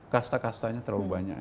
kasta kastanya terlalu banyak